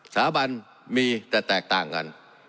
สาบันมีแต่แตกต่างกัน